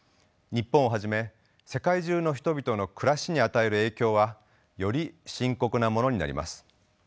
日本をはじめ世界中の人々の暮らしに与える影響はより深刻なものになります。